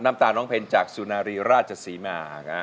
น้ำตาน้องเพลงจากสุนารีราชศรีมา